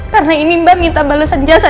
karena ini mbak minta balasan jasa